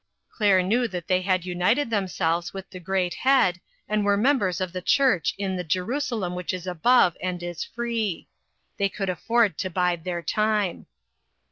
Claire knew that they had united themselves with the great Head, and were members of the church 37O INTERRUPTED. in the " Jerusalem which is above and is free." They could afford to bide their time.